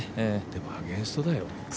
でもアゲンストだよ。